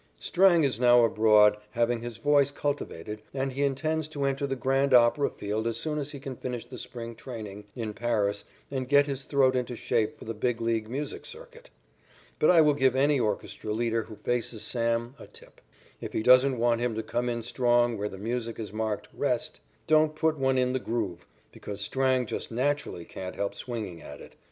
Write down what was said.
Strang is now abroad having his voice cultivated and he intends to enter the grand opera field as soon as he can finish the spring training in Paris and get his throat into shape for the big league music circuit. But I will give any orchestra leader who faces Sam a tip. If he doesn't want him to come in strong where the music is marked "rest," don't put one in the "groove," because Strang just naturally can't help swinging at it.